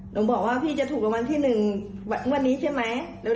หนูบอกว่าพี่จะถูกรางวัลที่๑งวดนี้ใช่ไหม